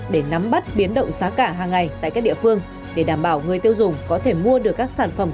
để nắm bắt biến động giá cả hàng ngày tại các địa phương để đảm bảo người tiêu dùng có thể mua được các sản phẩm